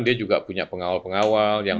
dia juga punya pengawal pengawal yang